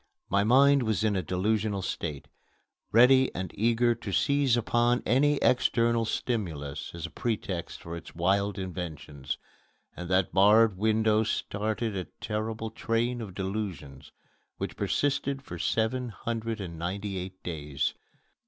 My mind was in a delusional state, ready and eager to seize upon any external stimulus as a pretext for its wild inventions, and that barred window started a terrible train of delusions which persisted for seven hundred and ninety eight days.